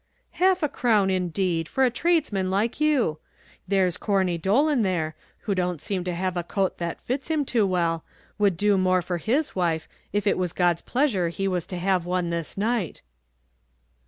"Half a crown, indeed, for a tradesman like you! There's Corney Dolan there, who don't seem to have a coat that fits him too well, would do more for his wife, if it was God's pleasure he was to have one this night."